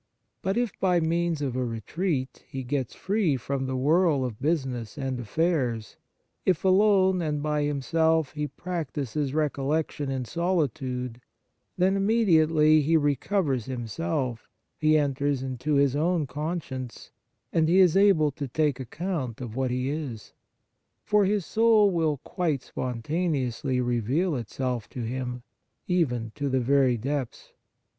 But if, by means of a retreat, he gets free from the whirl of business and affairs ; if, alone and by himself, he practises recollection in solitude ; then, immediately he recovers him self, he enters into his own con science, and he is able to take account of what he is ; for his soul will quite spontaneously reveal itself to him, even to the very depths.